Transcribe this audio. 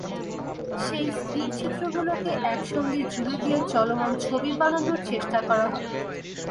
সেই স্থিরচিত্রগুলোকে একসঙ্গে জুড়ে দিয়ে চলমান ছবি বানানোর চেষ্টা করা হবে।